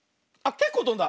けっこうとんだ。